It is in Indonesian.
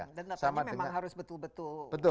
artinya memang harus betul betul